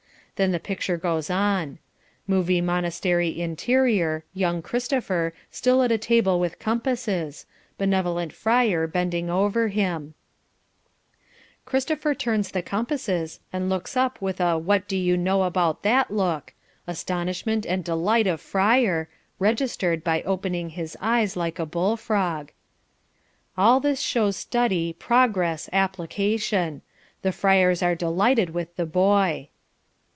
Then the picture goes on. Movie monastery interior young Christopher, still at a table with compasses benevolent friar bending over him Christopher turns the compasses and looks up with a what do you know about that look astonishment and delight of friar (registered by opening his eyes like a bull frog). All this shows study, progress, application. The friars are delighted with the boy.